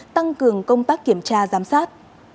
tăng cường công tác kiểm tra giám sát